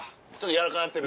柔らかなってる？